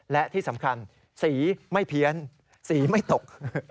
และที่สำคัญสีไม่เพี้ยนสีไม่ตก